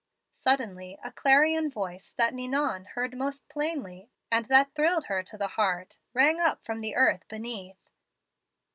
"Suddenly a clarion voice that Ninon heard most plainly, and that thrilled her to the heart, rang up from the earth beneath.